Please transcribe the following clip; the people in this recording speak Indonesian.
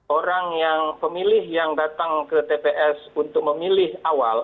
orang yang pemilih yang datang ke tps untuk memilih awal